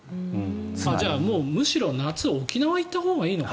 じゃあ、むしろ夏沖縄に行ったほうがいいのか。